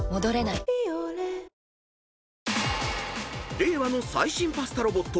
［令和の最新パスタロボット